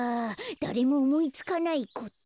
だれもおもいつかないこと？